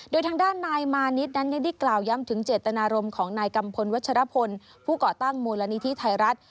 โดยทางด้านนายมานิดนั้นยังได้กล่าวย้ำถึงเจตนารมณ์ของนายกัมพลวัชรพลผู้ก่อตั้งมูลนิธิไทยรัฐ